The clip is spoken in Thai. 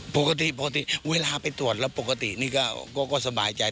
ปกติปกติเวลาไปตรวจแล้วปกตินี่ก็สบายใจ